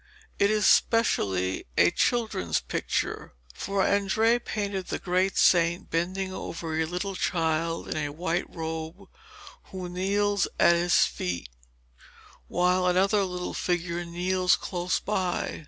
It is specially a children's picture, for Andrea painted the great saint bending over a little child in a white robe who kneels at his feet, while another little figure kneels close by.